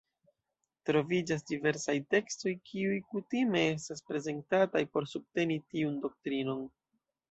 Troviĝas diversaj tekstoj kiuj kutime estas prezentataj por subteni tiun doktrinon.